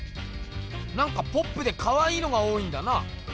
なんかポップでかわいいのが多いんだな。